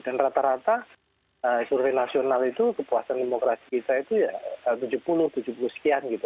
dan rata rata survei nasional itu kepuasan demokrasi kita itu ya tujuh puluh tujuh puluh sekian gitu